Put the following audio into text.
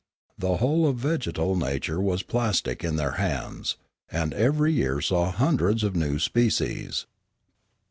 The whole of vegetal nature was plastic in their hands. And every year saw hundreds of new species.